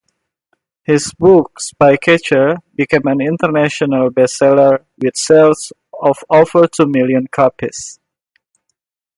His book "Spycatcher" became an international bestseller with sales of over two million copies.